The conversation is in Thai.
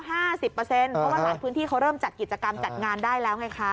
เพราะว่าหลายพื้นที่เขาเริ่มจัดกิจกรรมจัดงานได้แล้วไงคะ